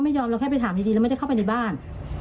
ก็ไม่ยอมเราแค่ไปถามดีแล้วไม่ได้เข้าไปในบ้าน